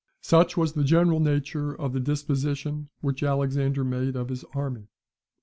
Such was the general nature of the disposition which Alexander made of his army.